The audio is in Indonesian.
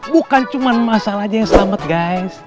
bukan cuma mas al aja yang selamat guys